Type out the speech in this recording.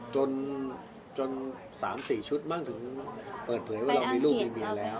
จน๓๔ชุดมั่งถึงเปิดเผยว่าเรามีลูกมีเมียแล้ว